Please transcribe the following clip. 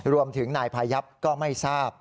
รวมถึงนายพายับก็ไม่ทราบ